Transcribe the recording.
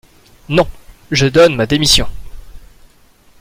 Non, je donne ma démission !